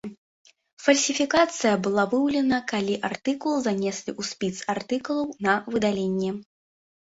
Фальсіфікацыя была выяўлена, калі артыкул занеслі ў спіс артыкулаў на выдаленне.